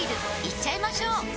いっちゃいましょう！